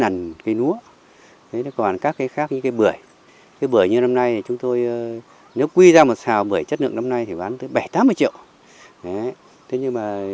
nếu quý ra một sào bưởi chất lượng năm nay thì bán tới bảy mươi tám mươi triệu